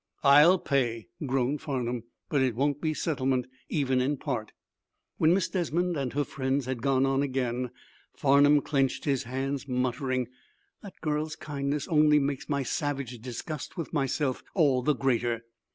"I'll pay," groaned Farnum, "but it won't be settlement even in part." When Miss Desmond and her friends had gone on again Farnum clenched his hands, muttering: "The girl's kindness only makes my savage disgust with myself all the greater."